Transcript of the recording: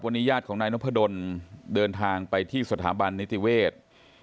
วันนี้ญาติของนายนพดลเดินทางไปที่สถาบันนิติเวศ